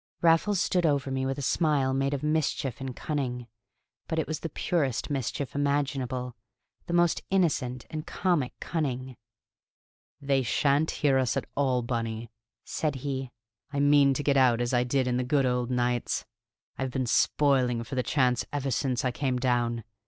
Raffles stood over me with a smile made of mischief and cunning; but it was the purest mischief imaginable, the most innocent and comic cunning. "They shan't hear us at all, Bunny," said he. "I mean to get out as I did in the good old nights. I've been spoiling for the chance ever since I came down.